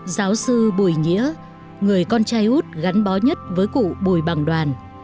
giáo sư bùi nghĩa người con trai út gắn bó nhất với cụ bùi bằng đoàn